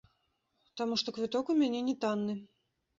Таму што квіток у мяне не танны.